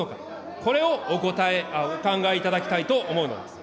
これをお考えいただきたいと思うのです。